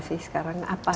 sekarang apa yang